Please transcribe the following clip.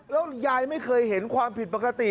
แล้วยายไม่เคยเห็นความผิดปกติ